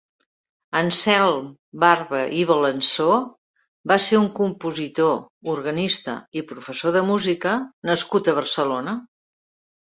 Anselm Barba i Balansó va ser un compositor, organista i professor de música nascut a Barcelona.